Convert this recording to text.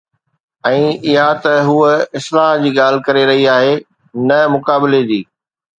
۽ اها ته هوءَ اصلاح جي ڳالهه ڪري رهي آهي، نه مقابلي جي.